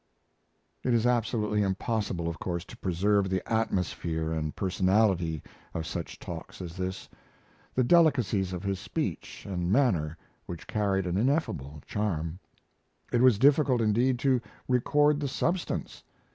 It is absolutely impossible, of course, to preserve the atmosphere and personality of such talks as this the delicacies of his speech and manner which carried an ineffable charm. It was difficult, indeed, to record the substance.